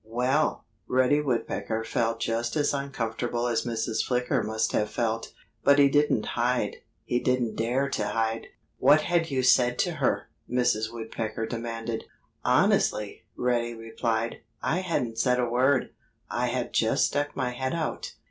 '" Well, Reddy Woodpecker felt just as uncomfortable as Mrs. Flicker must have felt. But he didn't hide. He didn't dare to hide. "What had you said to her?" Mrs. Woodpecker demanded. "Honestly," Reddy replied, "I hadn't said a word. I had just stuck my head out.